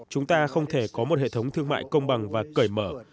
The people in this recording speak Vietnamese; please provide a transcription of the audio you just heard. chúng ta không thể có một hệ thống thương mại công bằng và cởi mở